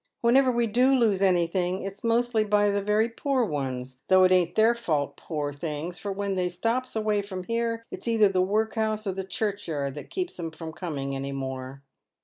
Whenever we do lose anything it's mostly by the very poor ones ; though it ain't their fault, poor things, for when they stops away from here it's either the workhouse or the churchyard that keeps them from coming any more."